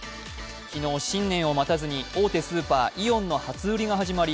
昨日、新年を待たずに大手スーパーイオンの初売りが始まり